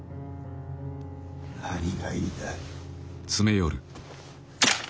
何が言いたい。